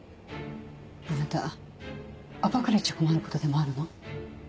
あなた暴かれちゃ困ることでもあるの？